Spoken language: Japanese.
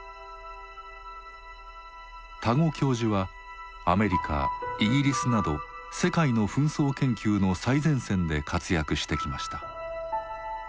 多湖教授はアメリカイギリスなど世界の紛争研究の最前線で活躍してきました。